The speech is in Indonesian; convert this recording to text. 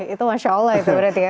itu masya allah itu berarti ya